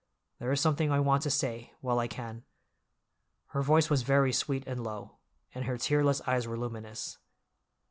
There is something I want to say—while I can." Her voice was very sweet and low, and her tearless eyes were luminous.